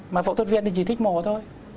mà phẫu thuật viên thì chỉ thích mồ thôi